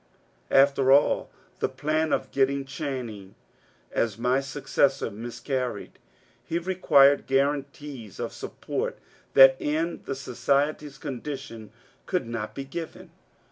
After all, the plan of getting Channing as my successor miscarried ; he required guarantees of support that in the society's condition could not be given.